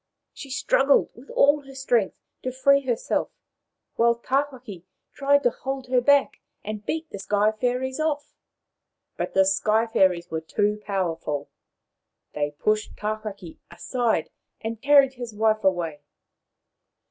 She struggled with all her strength to free herself, while Tawhaki tried to hold her back and beat the Sky fairies off. But the Sky fairies were too powerful. They pushed Tawhaki aside and carried his wife away.